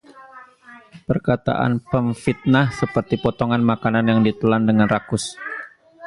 Perkataan pemfitnah seperti potongan makanan yang ditelan dengan rakus;